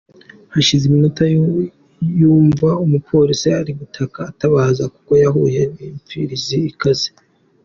Hashize iminota yumva umupolisi ari gutaka atabaza kuko yahuye n’imfizi ikaze.